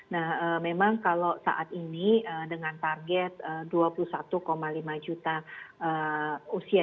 nah memang kalau saat ini dengan target dua puluh satu lima juta usia di atas enam puluh tahun dan enam belas sembilan pemberi pelayanan publik